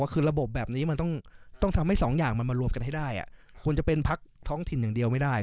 คือระบบแบบนี้มันต้องทำให้สองอย่างมันมารวมกันให้ได้ควรจะเป็นพักท้องถิ่นอย่างเดียวไม่ได้